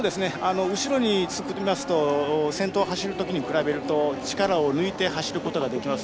後ろにつきますと先頭を走るときと比べますと力を抜いて走ることができます。